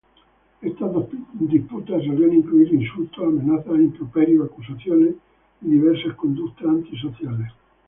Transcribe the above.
Estas disputas solían incluir insultos, amenazas, improperios, acusaciones y diversas conductas antisociales.